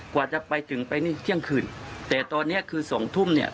กว่าจะไปถึงไปนี่เที่ยงคืนแต่ตอนเนี้ยคือสองทุ่มเนี่ย